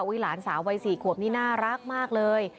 หลานสาววัย๔ขวบนี่น่ารักมากเลย